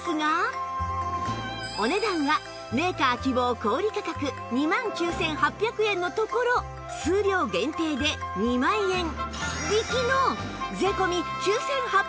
お値段はメーカー希望小売価格２万９８００円のところ数量限定で２万円引きの税込９８００円です